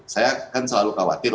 saya kan selalu khawatir